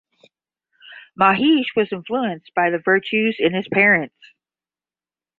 Mahesh was influenced by the virtues in his parents.